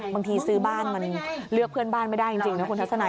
บางทีซื้อบ้านมันเลือกเพื่อนบ้านไม่ได้จริงนะคุณทัศนัย